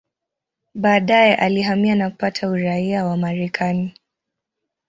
Baadaye alihamia na kupata uraia wa Marekani.